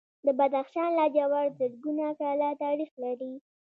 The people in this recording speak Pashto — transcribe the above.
د بدخشان لاجورد زرګونه کاله تاریخ لري